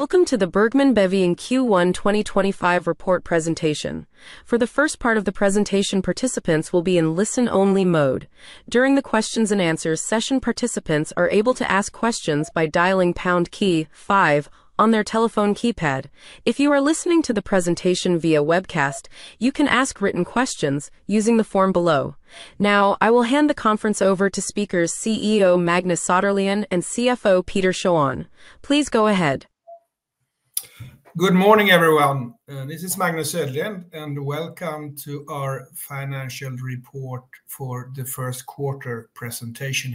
Welcome to the Bergman & Beving Q1 2025 report presentation. For the first part of the presentation, participants will be in listen-only mode. During the question-and-answer session, participants are able to ask questions by pressing the pound key 5 on their telephone keypad. If you are listening to the presentation via webcast, you can ask written questions using the form below. Now, I will hand the conference over to Magnus Söderlind [CEO] (Bergman & Beving) and Peter Schön [CFO] (Bergman & Beving). Please go ahead. Good morning, everyone. This is Magnus Söderlind, and welcome to our financial report for the first quarter presentation.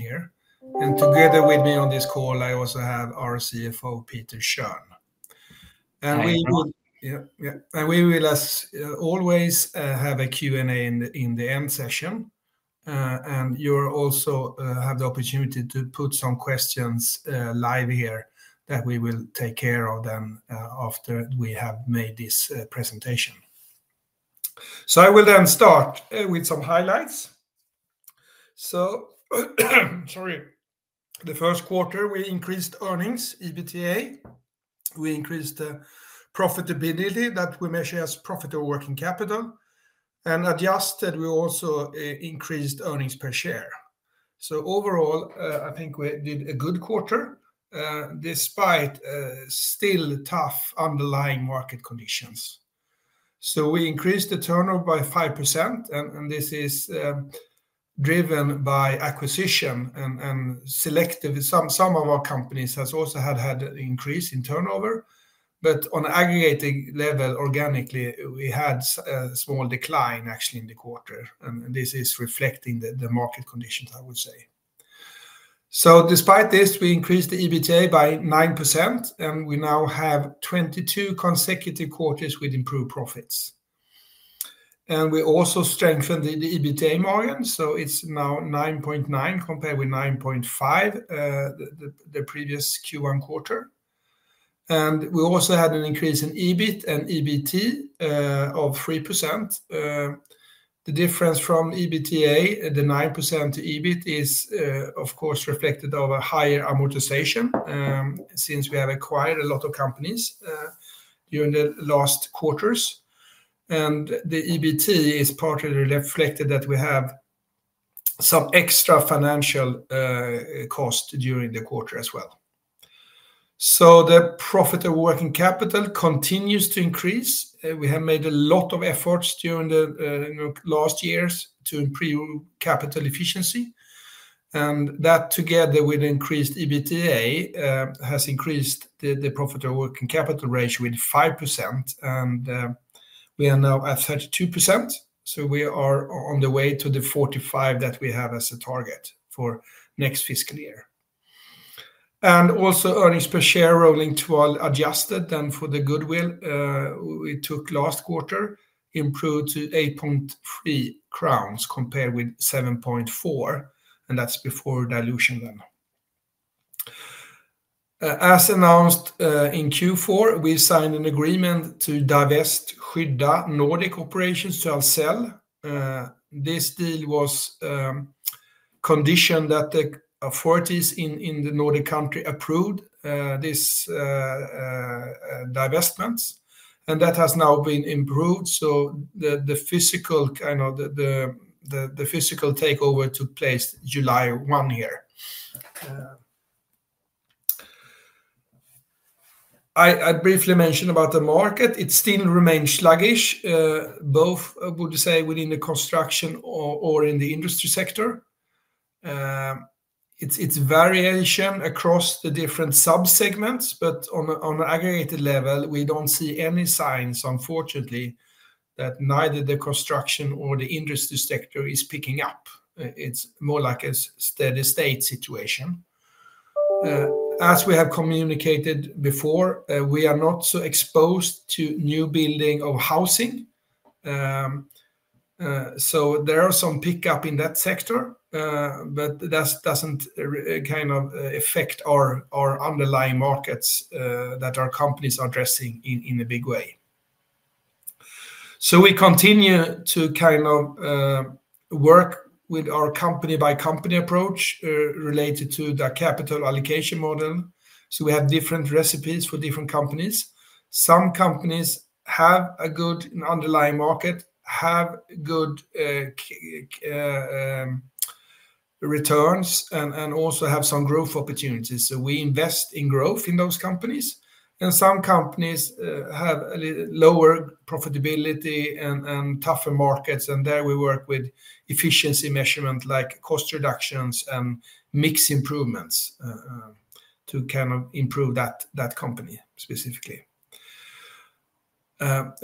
Together with me on this call, I also have our CFO, Peter Schön. We will, as always, have a Q&A session at the end. You also have the opportunity to submit some live questions, which we will address after the presentation. On an aggregated level, organically, we had a small decline in the quarter, reflecting the market conditions. Despite this, we increased EBITDA by 9%, marking 22 consecutive quarters of improved profits. We also strengthened the EBITDA margin to 9.9%, compared with 9.5% in the previous Q1 quarter. That, together with the increased EBITDA, has raised the profitable working capital ratio by 5%. We are now at 32% and on track to reach the 45% target for the next fiscal year. Earnings per share, adjusted for the goodwill we took last quarter, improved to 8.3 crowns compared with 7.4, before dilution. There is variation across the different subsegments, but on an aggregated level, we unfortunately do not see any signs that either the construction or industrial sector is picking up. It remains more of a steady-state situation. As we have communicated before, we are not heavily exposed to new housing construction. There is some pickup in that sector, but it does not significantly affect the underlying markets our companies operate in.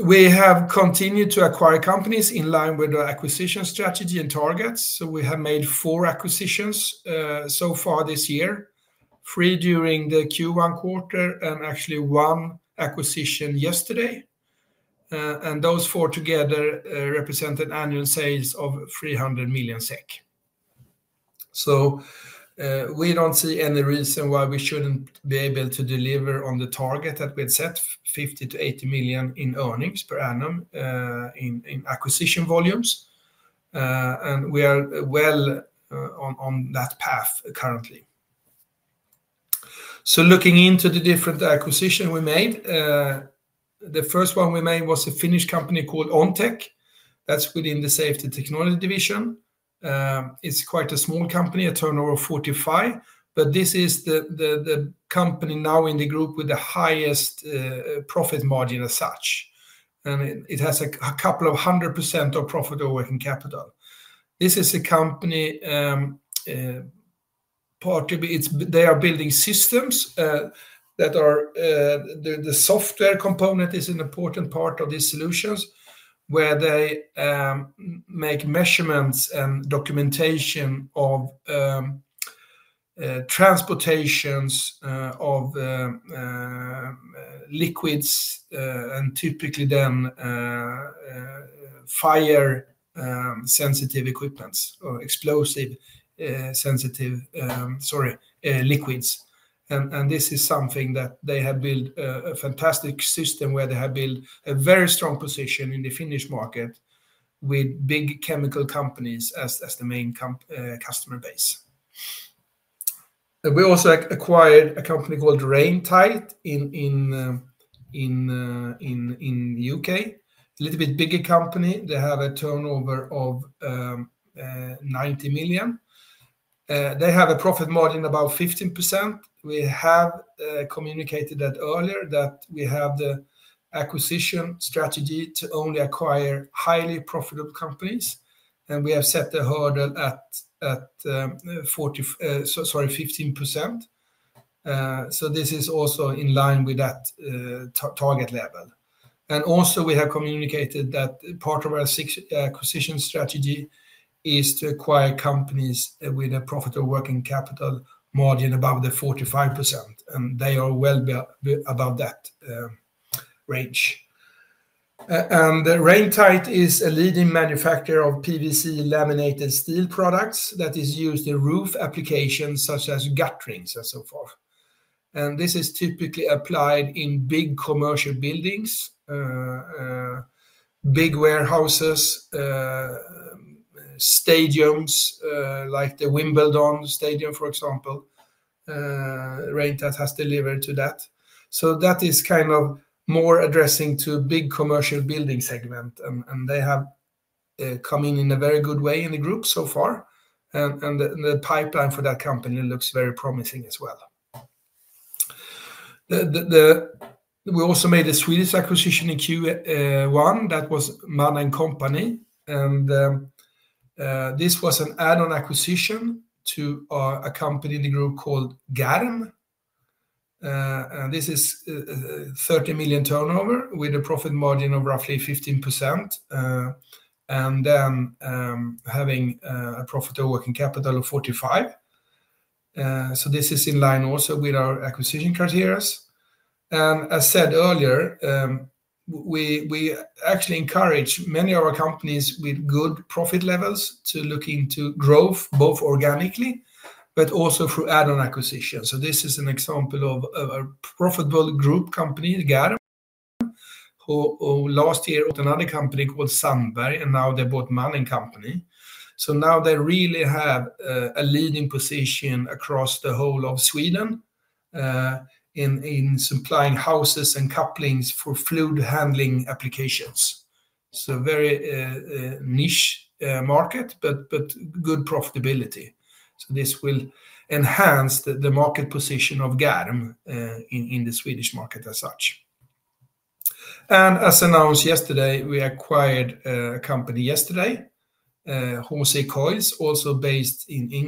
We have continued to acquire companies in line with our acquisition strategy and targets. So far this year, we have made four acquisitions — three during Q1 and one just yesterday. Together, these four acquisitions represent annual sales of 300 million SEK. We see no reason why we should not be able to deliver on our target of 50–80 million in annual earnings from acquisition volumes. We are well on track to achieve that. They are developing systems in which the software component plays an important role, providing measurement and documentation for the transportation of liquids — typically those that are fire- or explosion-sensitive. They have built an excellent system and established a strong position in the Finnish market, with major chemical companies as their main customer base. They are well above that range. Raintide is a leading manufacturer of PVC-laminated steel products used in roofing applications such as guttering and similar installations. These are typically applied in large commercial buildings, warehouses, and stadiums — for example, Raintide has supplied products to the Wimbledon Stadium. This business primarily serves the large commercial building segment and has integrated very well into the group so far. The pipeline for this company also looks very promising. As mentioned earlier, we encourage many of our highly profitable companies to pursue growth both organically and through add-on acquisitions. One example is our group company Gaden, which last year acquired Sandberg and has now acquired Mann & Co. Together, they now hold a leading position across Sweden in supplying hoses and couplings for fluid handling applications — a very niche market with solid profitability. This acquisition further strengthens Gaden’s market position in Sweden. These customers include companies in the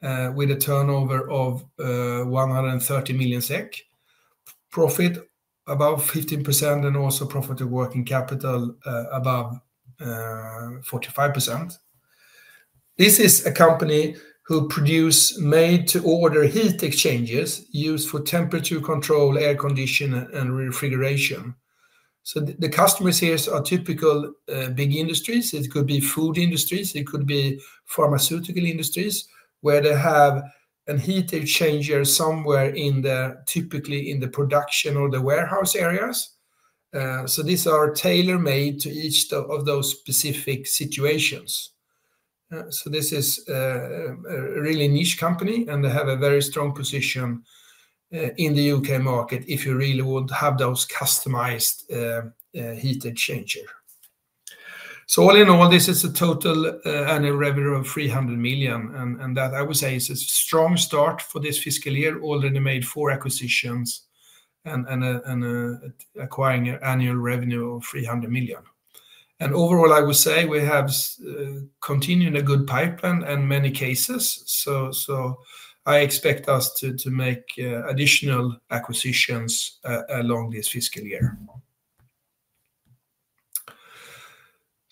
food and pharmaceutical industries, where heat exchangers are typically installed in production or warehouse areas. Each unit is tailor-made for its specific application. This is a highly specialized company with a strong position in the UK market for customized heat exchangers.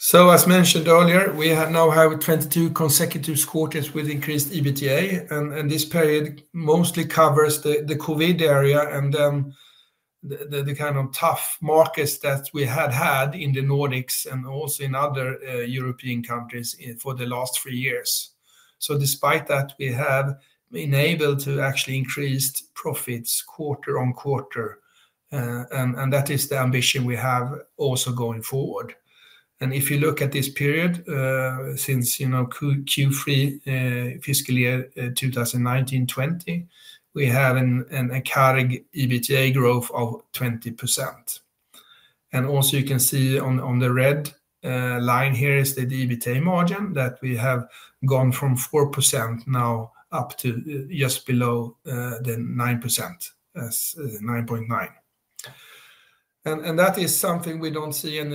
This period mostly covers the COVID era and the challenging market conditions we have faced in the Nordics and other European countries over the past three years. Despite that, we have continued to increase profits quarter by quarter, and that remains our ambition going forward. We see no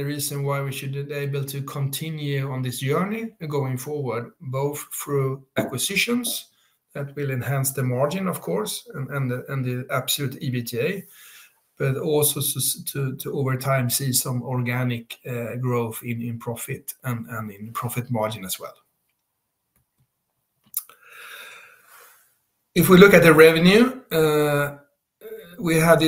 reason why we should not be able to continue this positive trajectory going forward—both through acquisitions that will enhance margins and absolute EBITDA, and over time through organic growth in both profit and profit margin. That,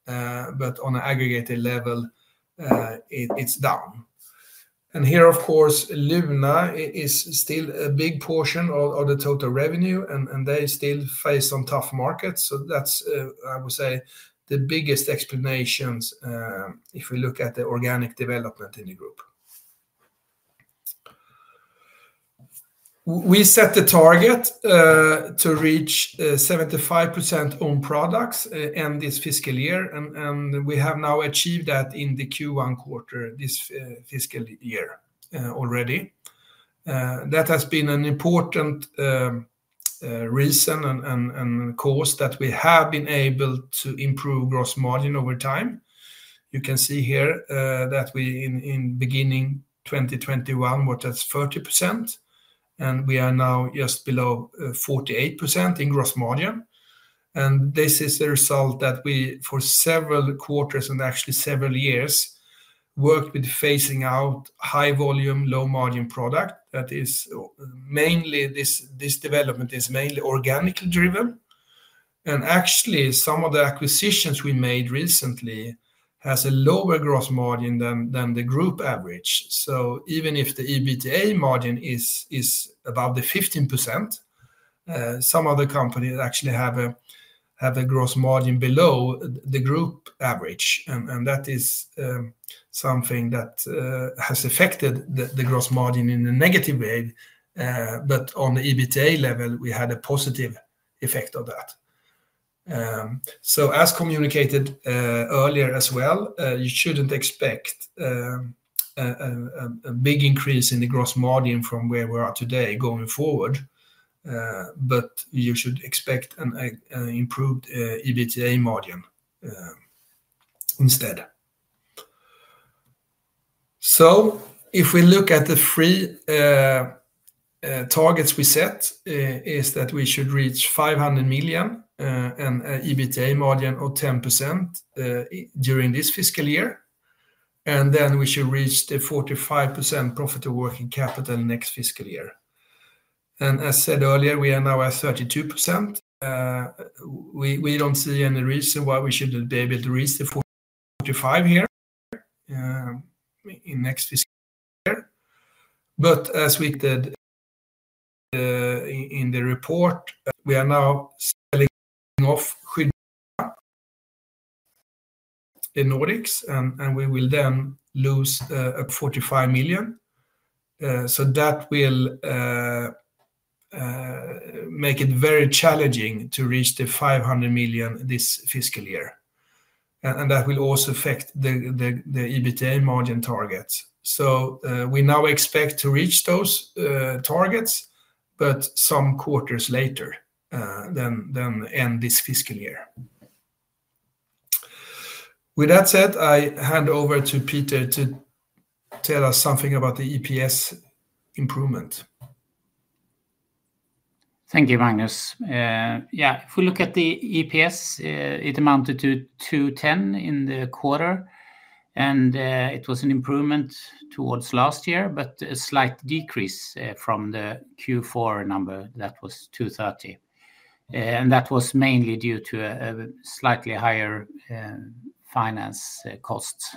I would say, is the main explanation when looking at the group’s organic development. We set a target to reach 75% owned products in this fiscal year, and we have already achieved that in Q1. This has been a key factor in improving our gross margin over time. Even though the EBITDA margin is above 15%, some other companies have a gross margin below the group average, which has affected the overall gross margin negatively. However, at the EBITDA level, we had a positive impact. As communicated earlier, we do not expect a significant increase in the gross margin from current levels going forward; instead, we anticipate continued improvement in the EBITDA margin. As stated in the report, we are now divesting Skydda Nordic, which will result in a loss of SEK 45 million. This will make it challenging to reach 500 million in EBITDA during this fiscal year and will also affect our EBITDA margin targets. We now expect to achieve those targets, but a few quarters later than the end of this fiscal year. Thank you, Magnus. If we look at earnings per share, it amounted to 2.10 in the quarter — an improvement compared with last year, but a slight decrease from Q4, which was 2.30. The decline was mainly due to slightly higher finance costs.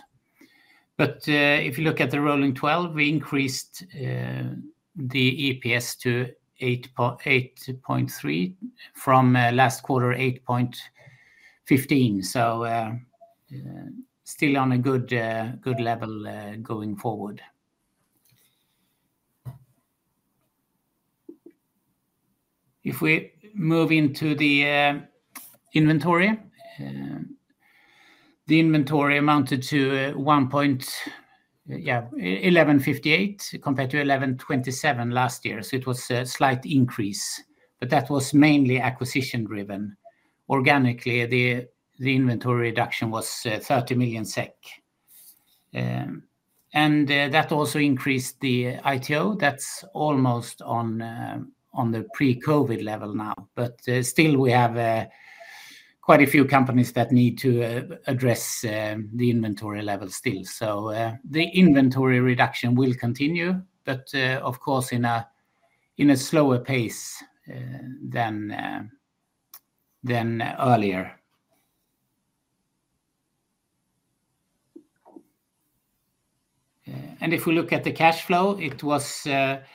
If we look at cash flow, it was strong —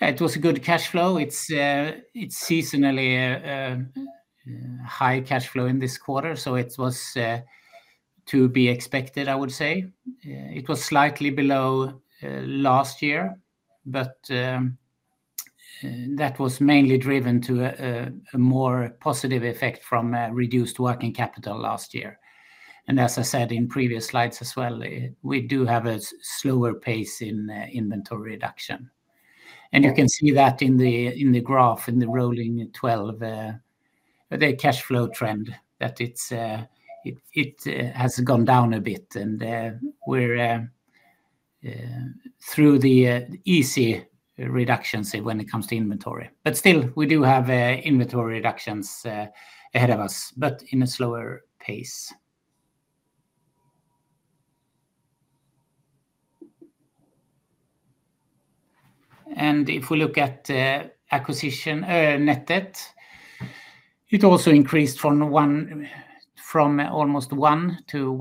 seasonally high for this quarter, as expected. It was slightly below last year, mainly due to a more positive impact from reduced working capital in the prior year. As mentioned earlier, the pace of inventory reduction has slowed, which is also visible in the rolling 12-month cash flow trend, showing a slight decline. We have already achieved the easier inventory reductions, but further improvements will continue at a slower pace. In the quarter, it increased from 1.278 billion to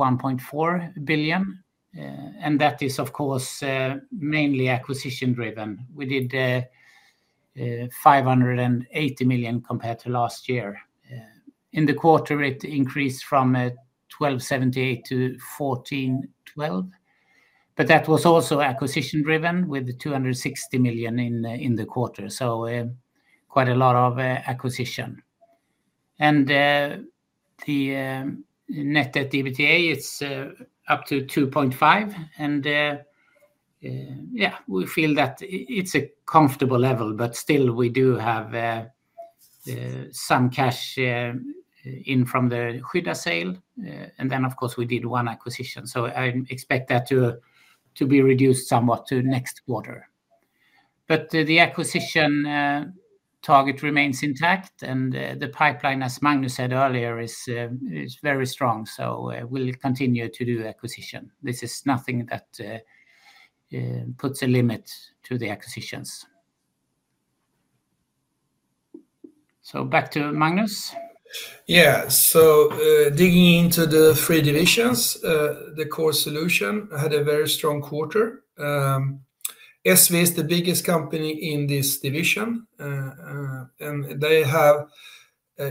1.412 billion, mainly acquisition-driven, with 260 million added during the quarter — quite an active acquisition period. Net debt to EBITDA is now at 2.5, which we consider a comfortable level. Looking at the three divisions, the Core Solutions division had a very strong quarter. ESSVE, the largest company in this division,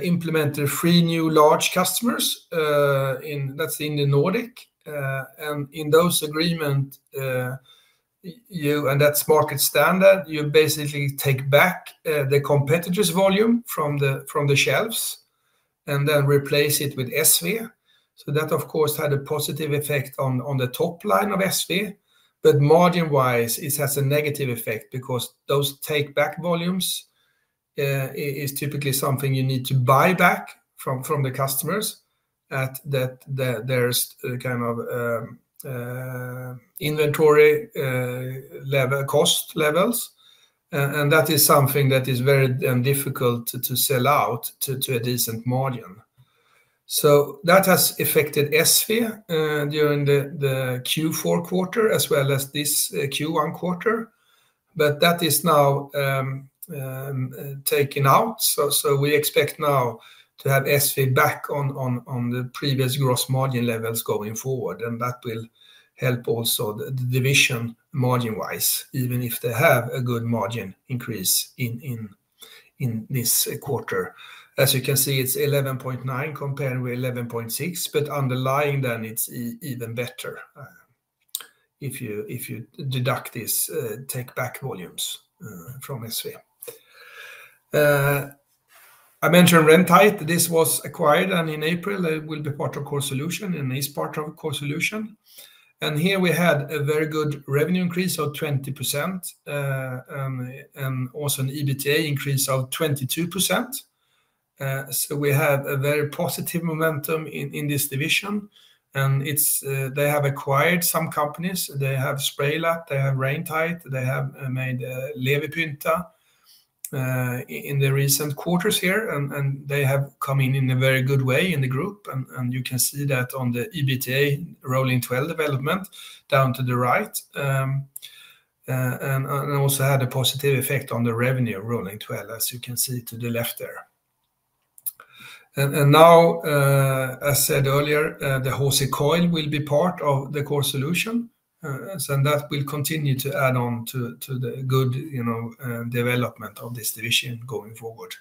implemented three new major customers in the Nordics. Under these agreements — which follow market standards — we essentially take back competitors’ volumes from the shelves and replace them with ESSVE products. This has had a positive impact on ESSVE’s top line. That will also support the division’s margin going forward, even though it already showed a solid margin increase this quarter — 11.9% compared with 11.6%. Underlying performance is even stronger if we exclude the take-back volumes from ESSVE. It also had a positive impact on the rolling 12-month revenue, as shown on the left side of the chart. As mentioned earlier, Hosey Coils will be part of the Core Solutions division and will continue to contribute positively to its strong development going forward.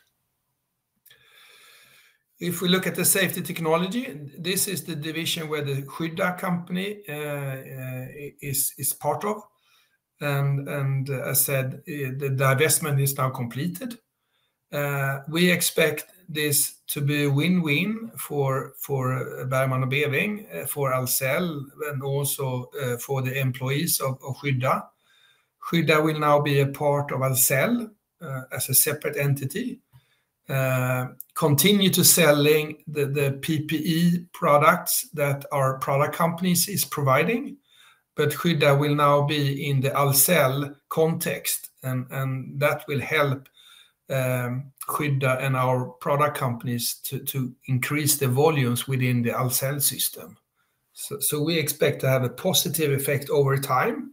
We expect a positive effect over time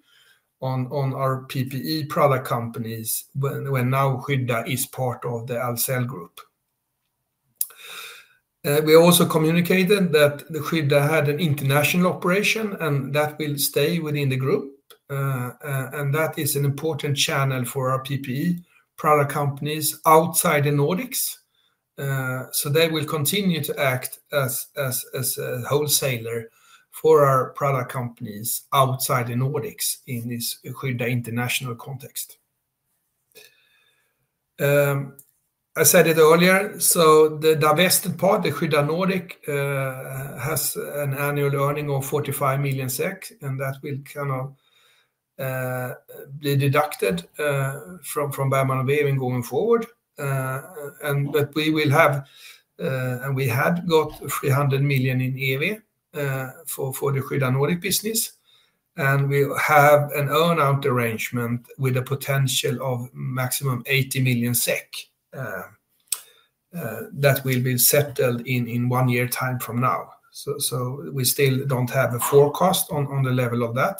on our PPE product companies now that Skydda is part of the Ahlsell Group. As communicated earlier, Skydda also has an international operation, which will remain within the group. This serves as an important channel for our PPE product companies outside the Nordics, and they will continue to act as a wholesaler for our product companies in this international context. We do not yet have a forecast for the exact earnout level,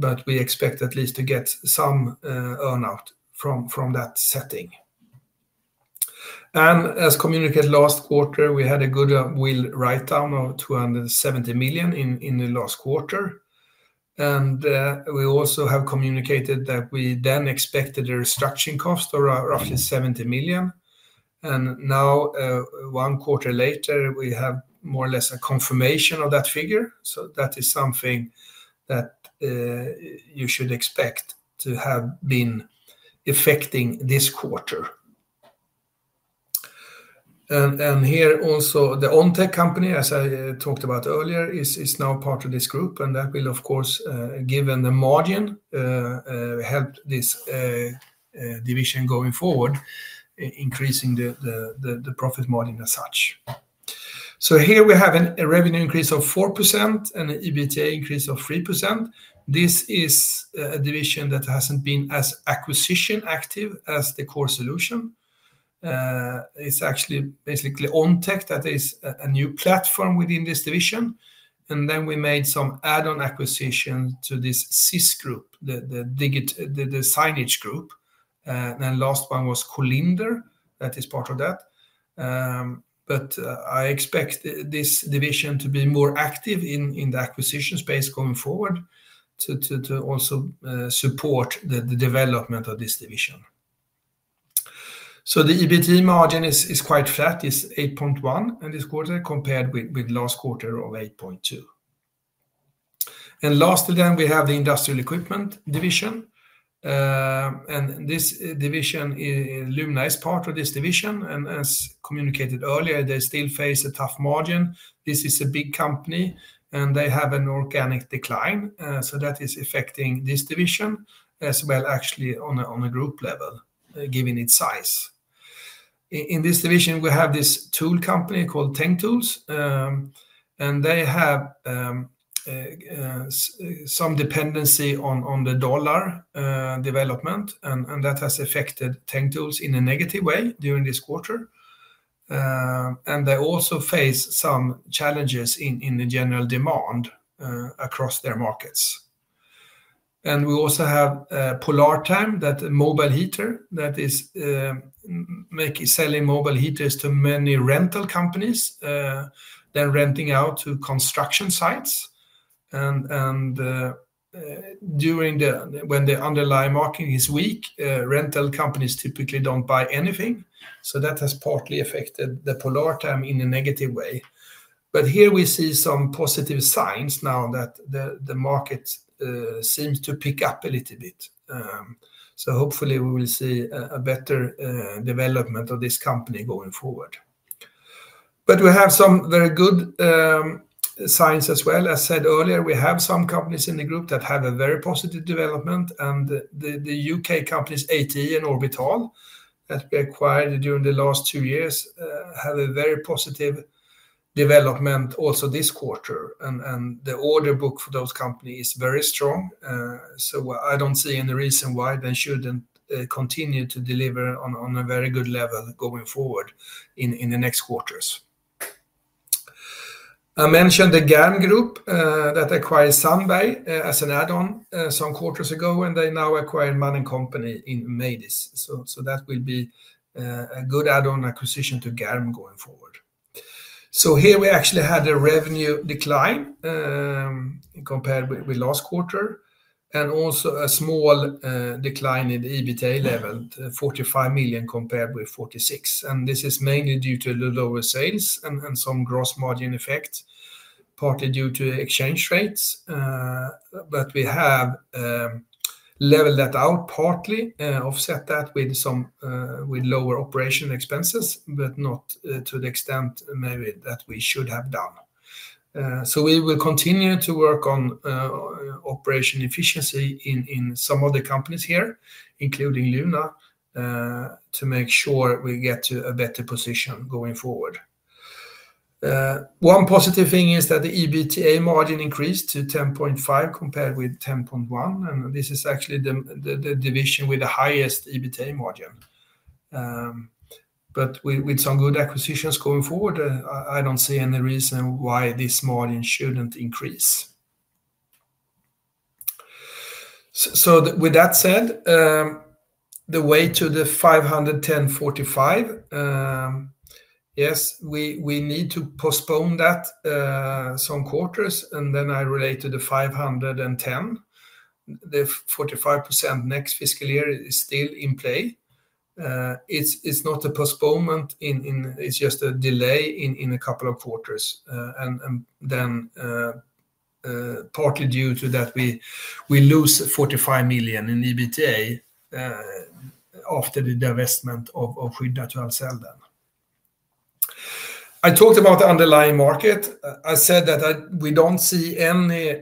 but we expect to receive at least a portion of it. As communicated last quarter, we recorded a goodwill write-down of SEK 270 million and anticipated restructuring costs of roughly 70 million. One quarter later, we can now confirm that figure, and it has impacted this quarter’s results. OnTech is essentially a new platform within this division. We have also made some add-on acquisitions to the SIS Group, the signage group, with the most recent being Collinder. I expect this division to be more active in the acquisition space going forward to further support its development. The EBITDA margin was relatively flat at 8.1% this quarter, compared with in the previous quarter. They are also experiencing some challenges with general demand across their markets. We also have Polartime, which sells mobile heaters primarily to rental companies that supply construction sites. When the underlying market is weak, rental companies typically reduce their purchases, which has negatively affected Polartime. However, we are now seeing some positive indications that the market is starting to pick up, and we expect a better performance from this company going forward. I see no reason why they should not continue to perform at a very good level in the coming quarters. I also mentioned the Gaden Group, which acquired Sunbay as an add-on some quarters ago and has now acquired Mann & Co. in MADIS. This will serve as a strong add-on acquisition for Gaden going forward. One positive aspect is that the EBITDA margin increased to 10.5% compared with 10.1%, making this the division with the highest margin. With a few good acquisitions going forward, I see no reason why this margin should not continue to improve.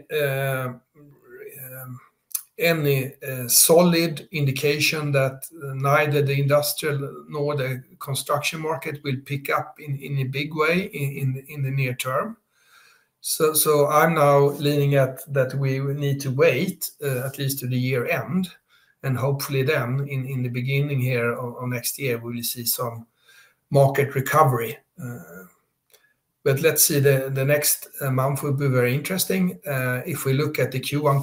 I am now leaning toward the view that we will need to wait at least until year-end. Hopefully, at the beginning of next year, we will start to see some market recovery — but let’s see. The coming months will be very interesting. Looking at Q1,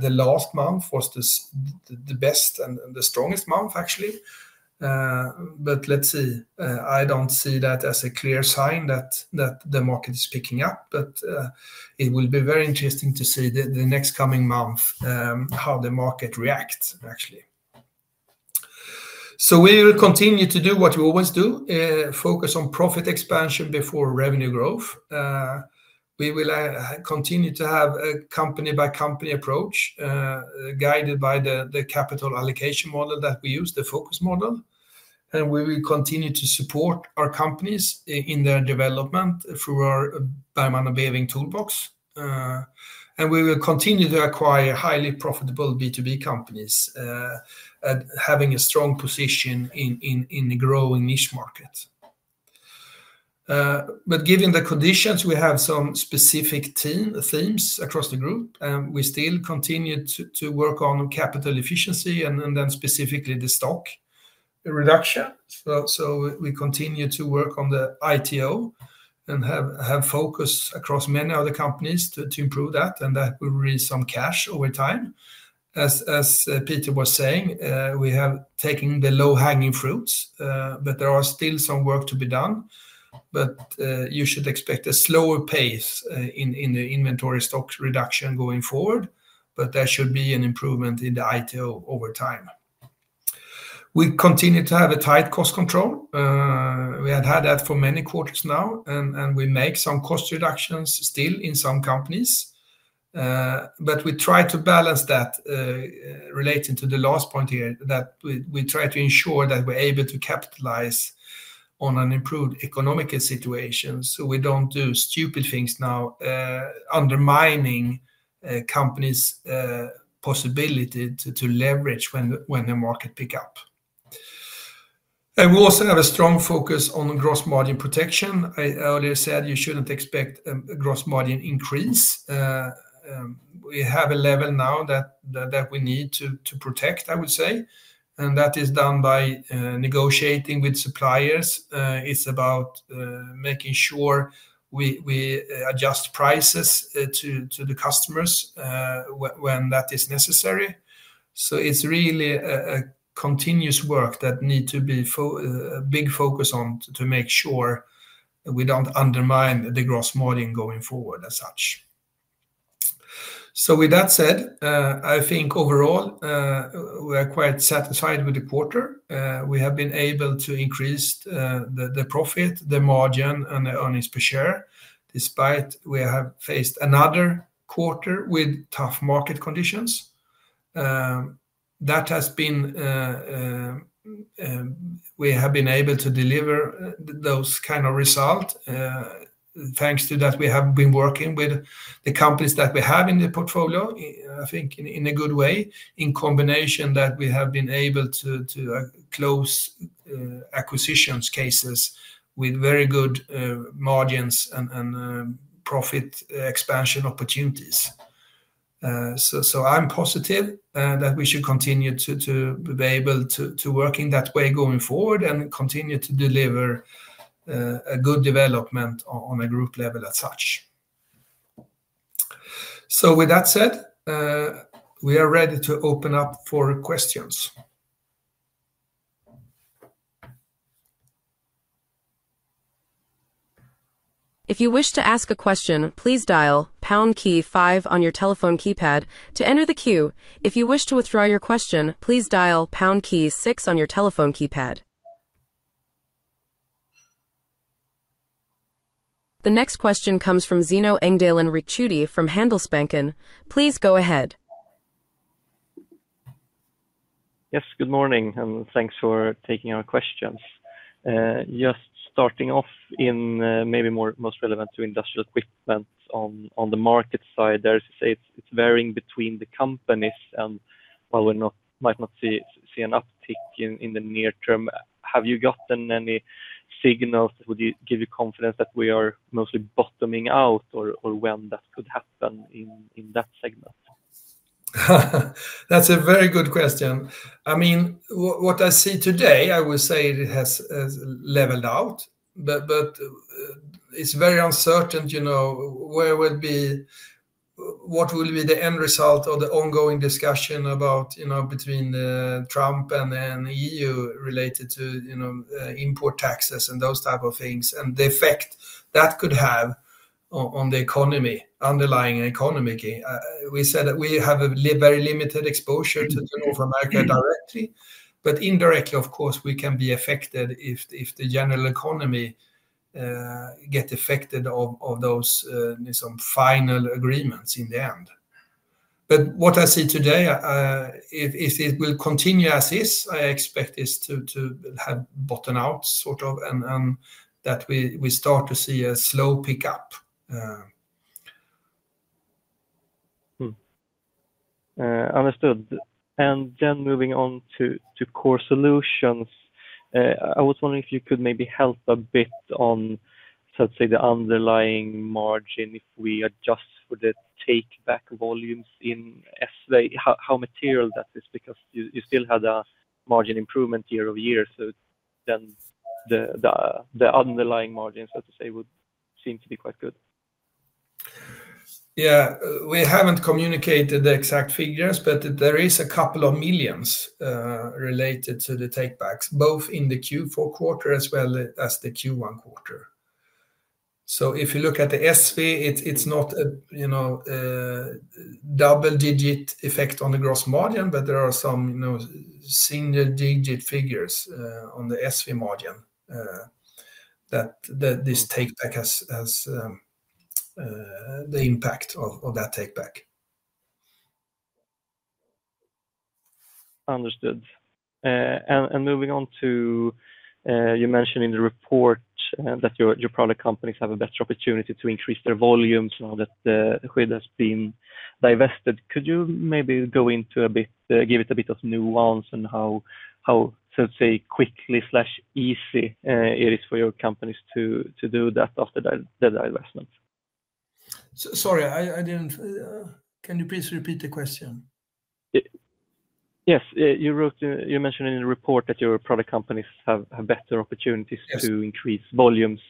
the last month of the quarter was actually the best and strongest one. Still, I don’t see that as a clear sign of a market pickup. It will be very interesting to see how the market develops in the coming months. We will continue to acquire highly profitable B2B companies with strong positions in growing niche markets. Given the current conditions, we are focusing on a few specific themes across the group. We continue to work on capital efficiency, particularly stock reduction. We are also maintaining our focus on improving inventory turnover (ITO) across many companies, which will generate additional cash over time. We are trying to maintain a balance, ensuring that we can capitalize on an improved economic situation when it comes. We are careful not to take actions now that would undermine our companies’ ability to leverage opportunities when the market picks up. We have been able to increase profit, margin, and earnings per share despite facing another quarter of challenging market conditions. We have achieved these results through effective work with the companies in our portfolio, combined with the successful completion of acquisitions that bring strong margins and opportunities for profit expansion. If you wish to ask a question, please press the pound key 5 on your telephone keypad to enter the queue. To withdraw your question, please press the pound key 6. The next question comes from Zeno Engdalen-Ricciuti from Handelsbanken. Please go ahead. Yes, good morning, and thanks for taking our questions. Starting with the Industrial Equipment segment — you mentioned that performance varies between companies. While we might not see an uptick in the near term, have you received any signals that would give you confidence that we are mostly bottoming out, or an indication of when that might happen within that segment? That’s a very good question. From what I see today, I would say the market has leveled out. It’s still uncertain what the outcome will be of the ongoing discussions between Trump and the EU regarding import taxes and the potential effects that could have on the underlying economy. Understood. Moving on to Core Solutions — could you elaborate a bit on the underlying margin if we adjust for the take-back volumes in ESSVE? How material was that impact, given that you still reported a year-over-year margin improvement? The underlying margins seem to be quite strong. Yes, we haven’t communicated the exact figures, but the take-back volumes represent a few million SEK, both in Q4 and Q1. For ESSVE, it’s not a double-digit impact on the gross margin, but there is a single-digit effect on the ESSVE margin from these take-backs. Understood. You mentioned in the report that your product companies now have better opportunities to increase their volumes following the divestment of Skydda Nordic. Could you elaborate a bit on how quickly or easily your companies can realize those volume increases after the divestment? Sorry, I didn’t catch that. Could you please repeat the question? Opportunities to increase volumes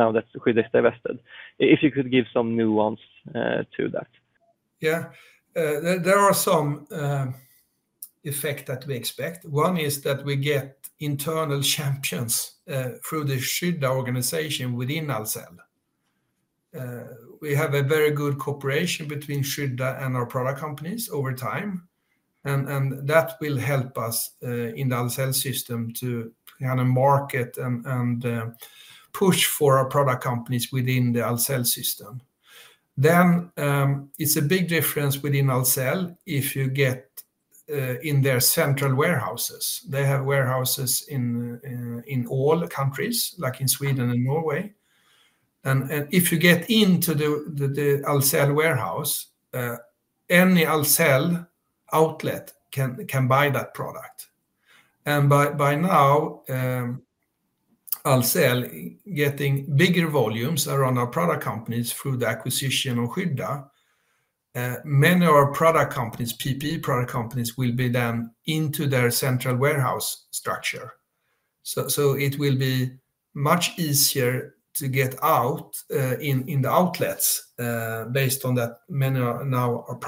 now that Skydda Nordic has been divested — could you give a bit more nuance on that? Yes, there are several effects we expect to see. One is that we now have internal champions within the Skydda Nordic organization under Ahlsell. We have had very good cooperation between Skydda Nordic and our product companies over time, and this will help us within the Ahlsell system to promote and expand our product companies’ presence. It will now be much easier for our products to reach Alcel’s outlets, as many of our product companies are now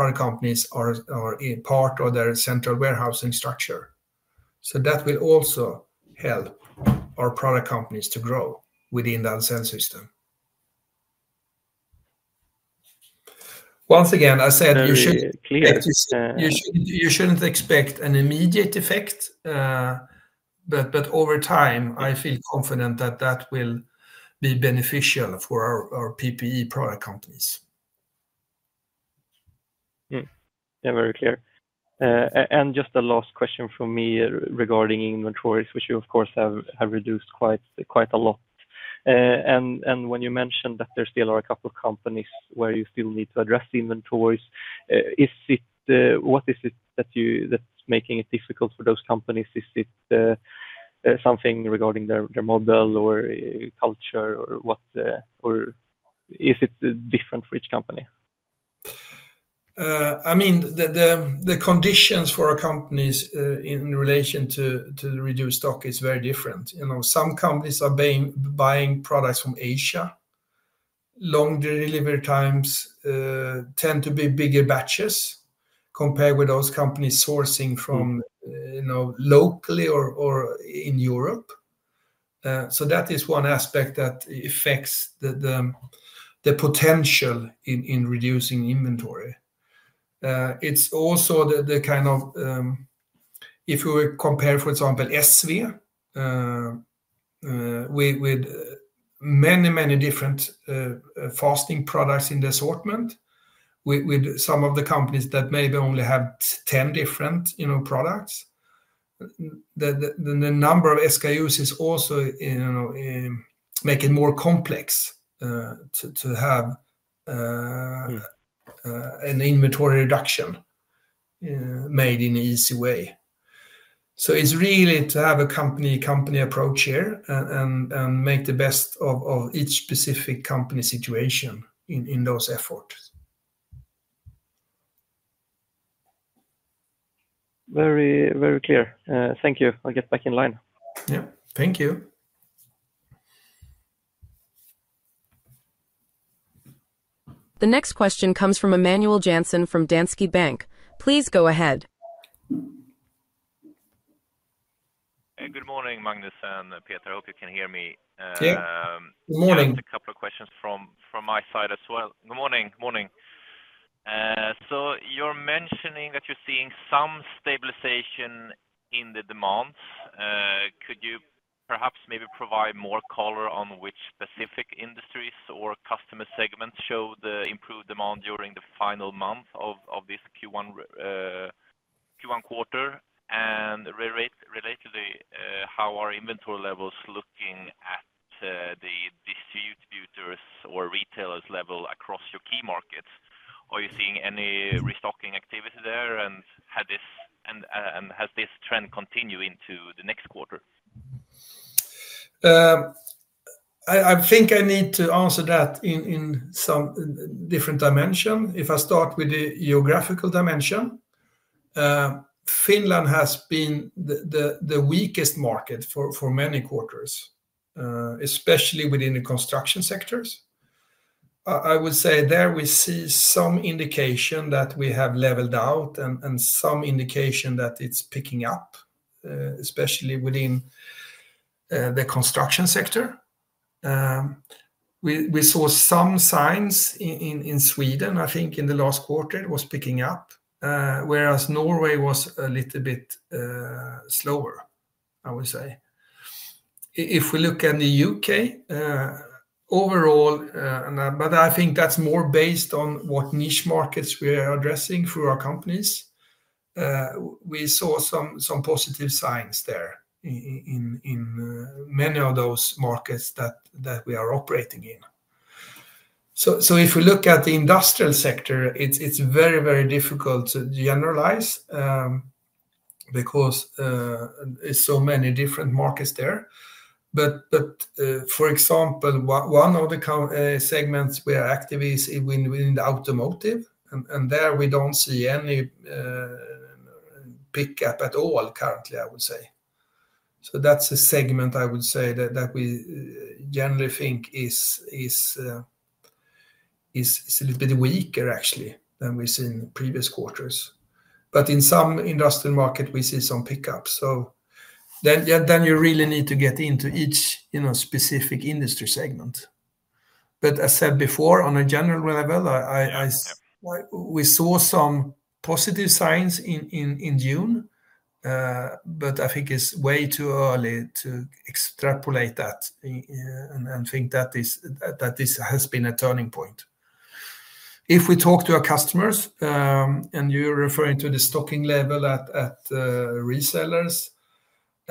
part of their central warehousing structure. This will support further growth of our product companies within the Ahlsell system. Once again, I wouldn’t expect an immediate effect, but over time, I’m confident this will be beneficial for our PPE product companies. Yes, very clear. Just a final question from me regarding inventories — you’ve already reduced them quite a lot. When you mentioned that there are still a few companies where inventory levels need to be addressed, what is making it difficult for those companies? Is it something related to their business model or culture, or does it vary between companies? The conditions for our companies when it comes to reducing stock vary quite a lot. Some companies source products from Asia, where long delivery times typically mean larger order batches compared with those sourcing locally or within Europe. That, of course, affects their ability to reduce inventory. Very, very clear. Thank you. I'll get back in line. Thank you. The next question comes from Emanuel Jansen from Danske Bank. Please go ahead. Good morning, Magnus and Peter. I hope you can hear me. Good morning. I have a couple of questions from my side as well. Good morning. You mentioned that you’re seeing some stabilization in demand. Could you perhaps provide more color on which specific industries or customer segments showed improved demand during the final month of the Q1 quarter? I think that question needs to be answered from a few different angles. Starting with the geographical perspective — Finland has been our weakest market for several quarters, especially within the construction sector. However, we are now seeing some signs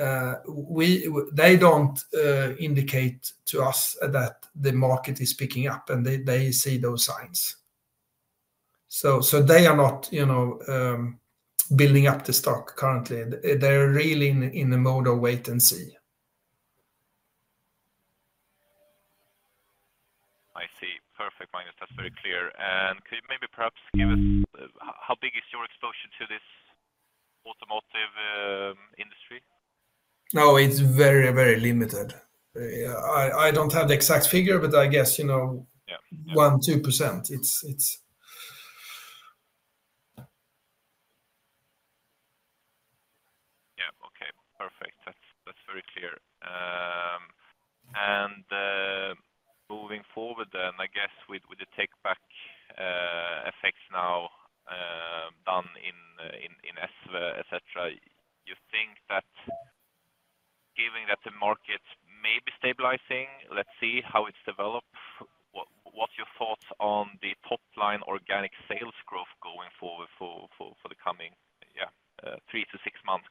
that the market there has leveled out and is starting to pick up, particularly in construction. For example, in the automotive segment — where we are also active — we currently do not see any pickup at all. In fact, that segment appears somewhat weaker compared with previous quarters. In some other industrial markets, we are seeing modest signs of improvement, but it really varies depending on the specific segment. I see. Perfect, Magnus. That’s very clear. Could you perhaps share how large your exposure is to the automotive industry? Oh, it’s very limited. I don’t have the exact figure, but I’d estimate around 1% or 2%. Yeah, okay, perfect. That’s very clear. Moving forward, with the take-back effects now complete in SV and other areas, do you think that, as the market stabilizes, your top-line organic sales growth will improve over the next three to six months?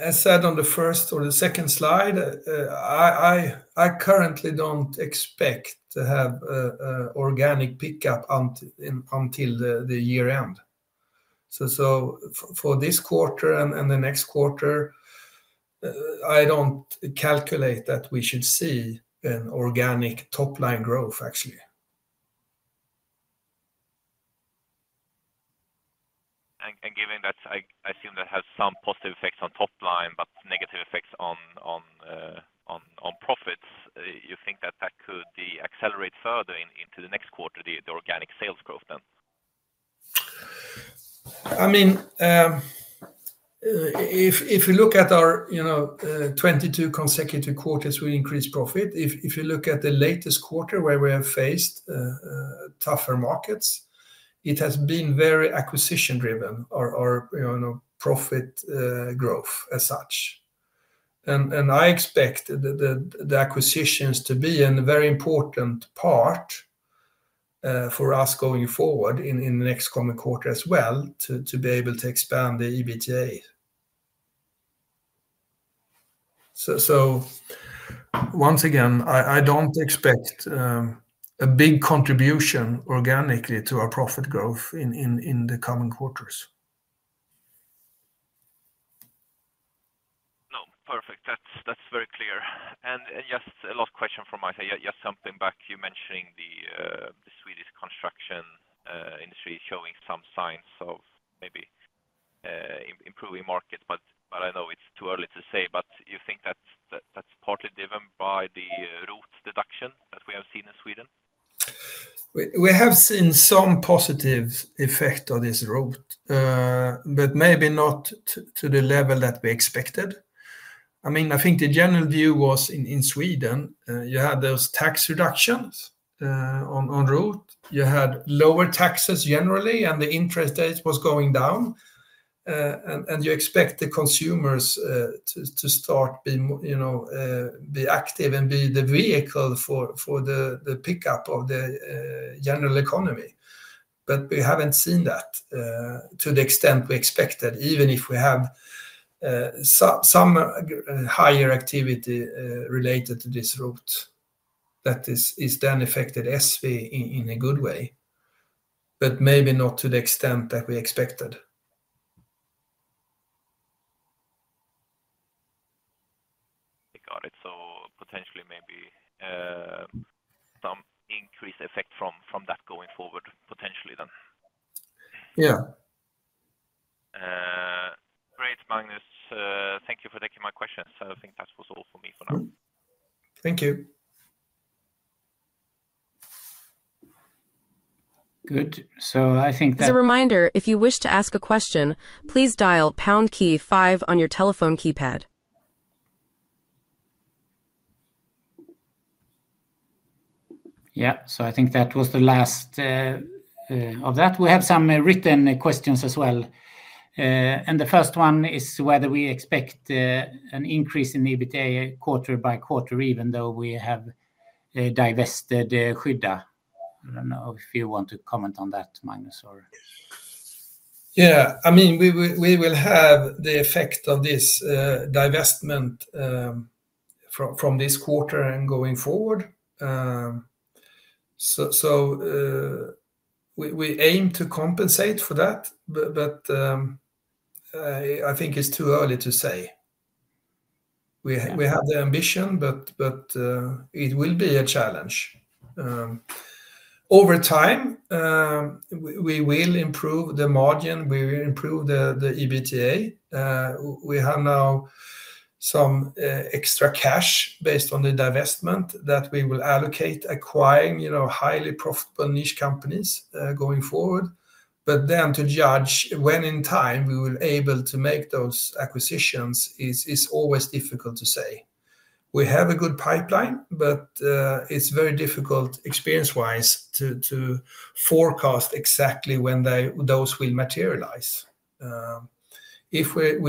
As I mentioned on the first or second slide, I currently don’t expect to see an organic pickup until year-end. For this quarter and the next, I don’t anticipate any organic top-line growth. Given that, I assume there are some positive effects on the top line but negative effects on profits. Do you think that organic sales growth could accelerate further into the next quarter? If you look at our 22 consecutive quarters of increased profit — and at the latest quarter, where we’ve faced tougher markets — profit growth has been largely acquisition-driven. I expect acquisitions to remain an important driver for us in the coming quarter as well, helping us expand EBITDA. Perfect. That’s very clear. Just one last question from my side — you mentioned that the Swedish construction industry is showing some signs of improvement. I know it’s too early to say, but do you think that’s partly driven by the RUT deduction we’ve seen in Sweden? We’ve seen some positive effects from the RUT deduction, but not to the level we expected. The general view in Sweden was that with those tax reductions under RUT, lower taxes overall, and declining interest rates, consumers would start to become more active and help drive the recovery of the broader economy. Got it. Potentially, we could see some increased effect from that going forward, then. Yeah. Great, Magnus. Thank you for taking my questions. That’s all from me for now. Thank you. Good, I think that. As a reminder, if you wish to ask a question, please press the pound key 5 on your telephone keypad. Yeah, I think that was the last of the live questions. We also have some written questions. The first one is whether we expect an increase in EBITDA quarter over quarter, even though we’ve divested Skydda Nordic. Magnus, would you like to comment on that? Yeah. We’ll have the effect of this divestment from this quarter onward. We aim to compensate for that, but it’s too early to say. We have the ambition, but it will be a challenge. If we will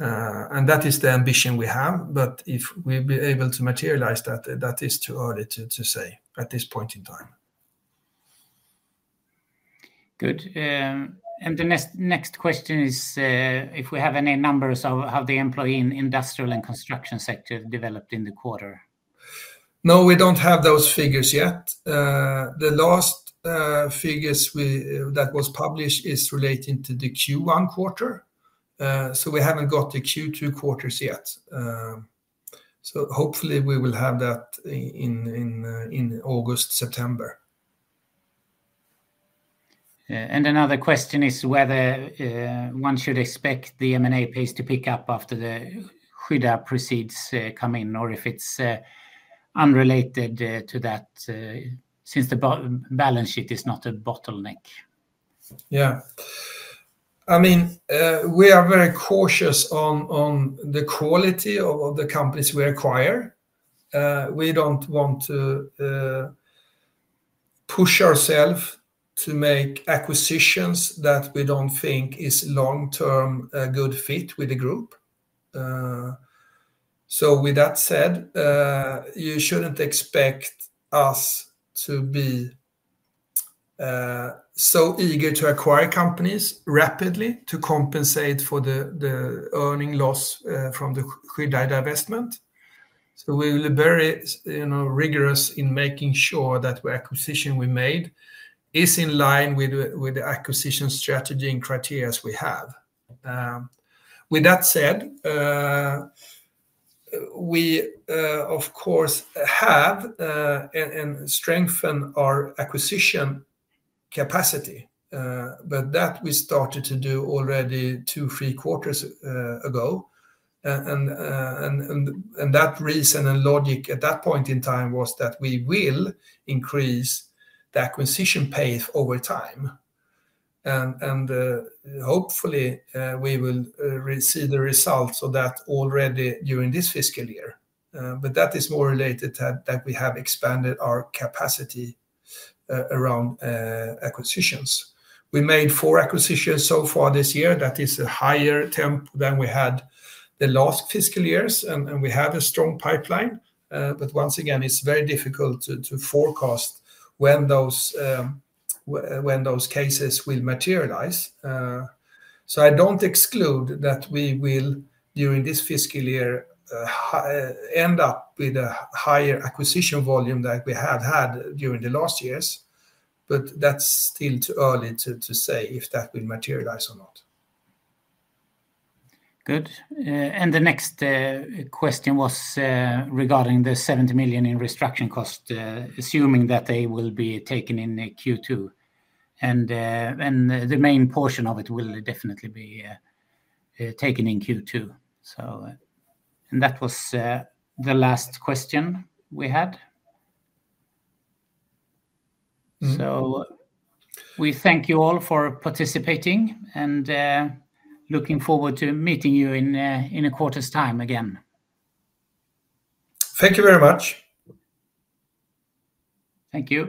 be able to materialize that, that is too early to say at this point in time. Good. The next question is whether we have any numbers on how employment in the industrial and construction sectors developed during the quarter. No, we don’t have those figures yet. The latest data published relates to the first quarter. We haven’t received the second-quarter numbers yet, but hopefully we’ll have them in August or September. Another question is whether we should expect the M&A pace to pick up after the Skydda Nordic proceeds come in, or if that’s unrelated since the balance sheet isn’t a bottleneck. Yeah. We’re very cautious about the quality of the companies we acquire. We don’t want to make acquisitions that aren’t a good long-term fit for the group. That’s also related to the fact that we’ve expanded our acquisition capacity. We’ve made four acquisitions so far this year, which is a higher pace than in previous fiscal years. We have a strong pipeline, but it’s always difficult to forecast when those opportunities will materialize. Good. The next question was regarding the $70 million in restructuring costs — assuming they’ll be taken in the second quarter. The main portion will indeed be taken in Q2. Thank you very much. Thank you.